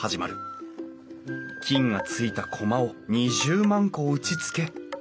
菌がついたコマを２０万個打ちつけ